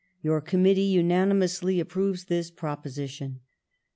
Your Committee unani mously approves this proposition.